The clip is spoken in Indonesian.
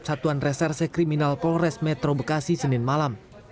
satuan reserse kriminal polres metro bekasi senin malam